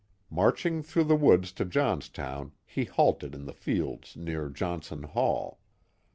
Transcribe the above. Marching through the woods to Johnstown he halted in the fields near Johnson Hall.